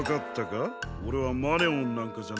オレはマネオンなんかじゃないのさ。